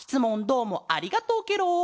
どうもありがとうケロ。